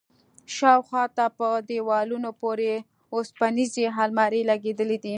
شاوخوا ته په دېوالونو پورې وسپنيزې المارۍ لگېدلي دي.